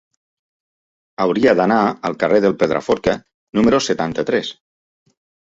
Hauria d'anar al carrer del Pedraforca número setanta-tres.